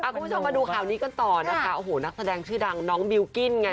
คุณผู้ชมมาดูข่าวนี้ก่อนต่อนักแสดงชื่อดังน้องบิวกิ้น